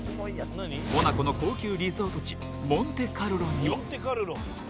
モナコの高級リゾート地モンテカルロには。